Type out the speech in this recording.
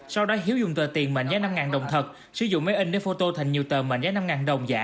sau đó hiếu dùng tờ tiền mệnh giá năm đồng thật sử dụng máy in để phô tô thành nhiều tờ mệnh giá năm đồng giả